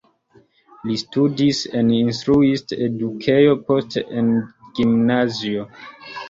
Li studis en instruist-edukejo, poste en gimnazio.